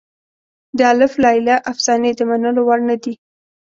د الف لیله افسانې د منلو وړ نه دي.